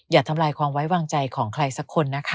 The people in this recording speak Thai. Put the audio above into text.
ทำลายความไว้วางใจของใครสักคนนะคะ